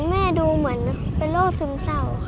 แม่ดูเหมือนเป็นโรคซึมเศร้าค่ะ